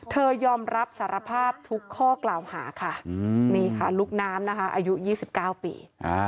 ยอมรับสารภาพทุกข้อกล่าวหาค่ะนี่ค่ะลูกน้ำนะคะอายุ๒๙ปี